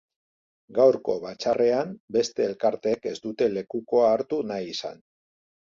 Gaurko batzarrean beste elkarteek ez dute lekukoa hartu nahi izan.